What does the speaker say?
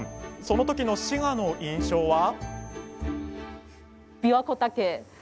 その時の滋賀の印象は？